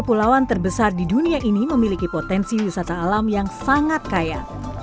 pulauan terbesar di dunia ini memiliki potensi wisata alam yang sangat kaya